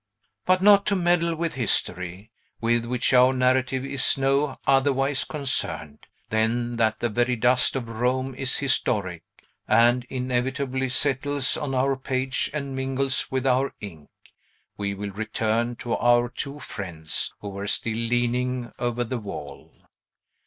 But, not to meddle with history, with which our narrative is no otherwise concerned, than that the very dust of Rome is historic, and inevitably settles on our page and mingles with our ink, we will return to our two friends, who were still leaning over the wall.